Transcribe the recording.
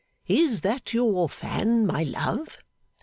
'Is that your fan, my love?